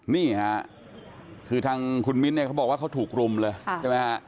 นี่ค่ะคือทางคุณมิ้นท์เนี่ยเขาบอกว่าเขาถูกรุมเลยใช่ไหมฮะ